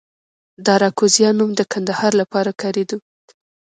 د اراکوزیا نوم د کندهار لپاره کاریده